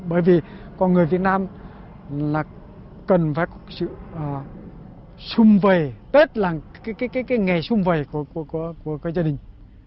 bởi vì con người việt nam là cần phải có sự xung vầy tết là cái nghề xung vầy của gia đình